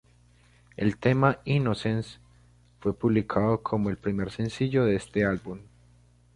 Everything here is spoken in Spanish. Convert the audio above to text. El tema "Innocence" fue publicado como el primer sencillo de este álbum.